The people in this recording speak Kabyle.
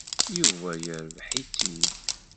Yuba yerbeḥ-itt-id.